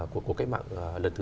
của cuộc cách mạng lần thứ bốn